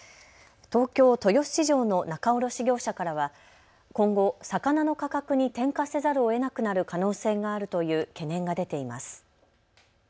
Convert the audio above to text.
東京豊洲市場の仲卸業者からは今後、魚の価格に転嫁せざるをえなくなる可能性があるという懸念が出ています。